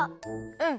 うん。